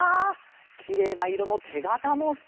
きれいないろのてがたもすてきだね！